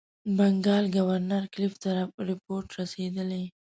بنکال ګورنر کلایف ته رپوټ رسېدلی.